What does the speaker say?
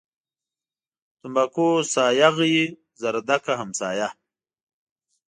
تنباکو سايه غيي ، زردکه همسايه.